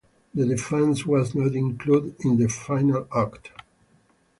The defence was not included in the final Act.